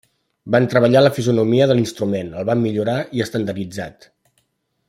Van treballar la fisonomia de l'instrument, el van millorar i estandarditzat.